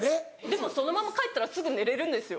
でもそのまま帰ったらすぐ寝れるんですよ。